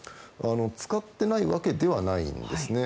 使ってないわけではないんですね。